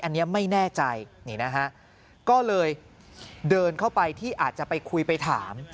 อันนี้ไม่แน่ใจนี่นะฮะก็เลยเดินเข้าไปที่อาจจะไปคุยไปถาม